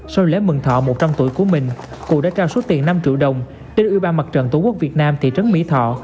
sau lễ mừng thọ một trăm linh tuổi của mình cụ đã trao số tiền năm triệu đồng đến ủy ban mặt trận tổ quốc việt nam thị trấn mỹ thọ